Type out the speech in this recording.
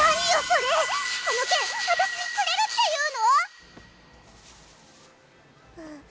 この券私にくれるっていうの⁉んっ。